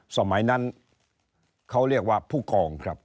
สมัยนั้นเขาเรียกว่าผู้กองครับ